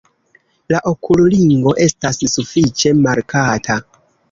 La okulringo estas sufiĉe markata.